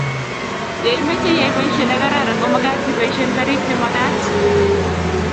ye imeche iyai boisie ne kararan ko mekat iboisien karik che mekat